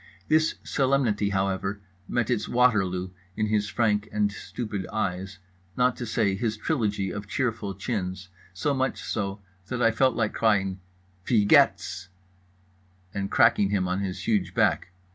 This solemnity, however, met its Waterloo in his frank and stupid eyes, not to say his trilogy of cheerful chins—so much so that I felt like crying "Wie gehts!" and cracking him on his huge back.